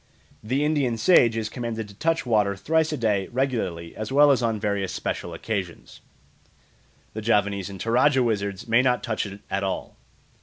The Indian sage is commanded to touch water thrice a day regularly as well as on various special occasions; the Javanese and Toradja wizards may not touch it at all.